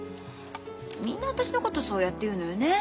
みんな私のことそうやって言うのよね。